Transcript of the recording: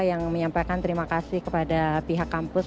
yang menyampaikan terima kasih kepada pihak kampus